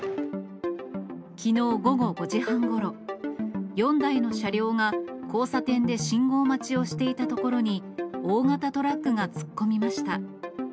きのう午後５時半ごろ、４台の車両が交差点で信号待ちをしていたところに、大型トラックが突っ込みました。